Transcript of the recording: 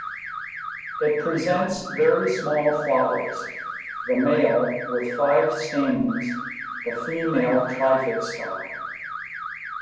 It presents very small flowers, the male with five stamens, the female trifid style.